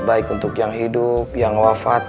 baik untuk yang hidup yang wafat